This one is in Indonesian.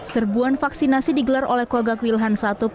serbuan vaksinasi digelar oleh kogak wilhan satup